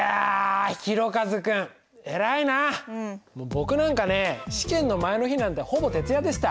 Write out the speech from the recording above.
僕なんかね試験の前の日なんてほぼ徹夜でした。